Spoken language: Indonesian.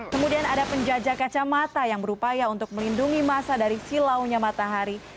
kemudian ada penjajah kacamata yang berupaya untuk melindungi masa dari silaunya matahari